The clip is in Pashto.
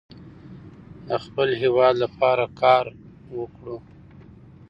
د خپل هیواد لپاره کار وکړو.